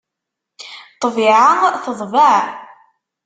Ṭṭbiɛa teḍbeɛ.